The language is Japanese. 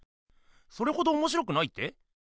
それほどおもしろくないって？